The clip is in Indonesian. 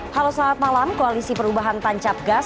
halo selamat malam koalisi perubahan tancap gas